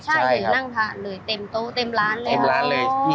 ใช่เหมือนเต็มโต๊ะเต็มร้านเลย